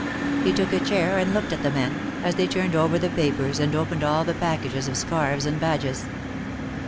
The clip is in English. He took a chair and looked at the men, as they turned over the papers and opened all the packages of scarfs and badges.